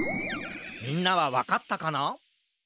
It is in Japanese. みんなはわかったかな？